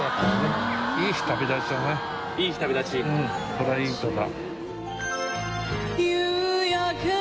これはいい歌だ。